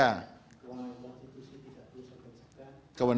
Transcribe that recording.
keuangan institusi tidak perlu sepenuhnya